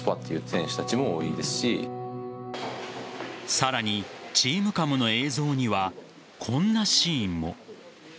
さらにＴｅａｍＣａｍの映像にはこんなシーンも。